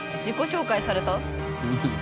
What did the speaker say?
自己紹介された？